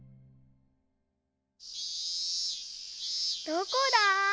どこだ？